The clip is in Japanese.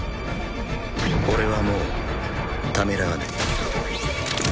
俺はもうためらわない。